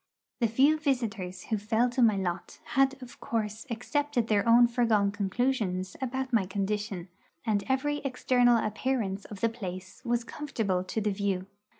The few visitors who fell to my lot had of course accepted their own foregone conclusions about my condition, and every external appearance of the place was comfortable to the view.